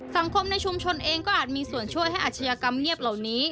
สังคมในชุมชนเองก็อาจมีส่วนช่วยให้อาชญากรรมเงียบเหล่านี้